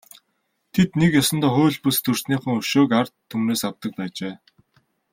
Тэд нэг ёсондоо хууль бус төрснийхөө өшөөг ард түмнээс авдаг байжээ.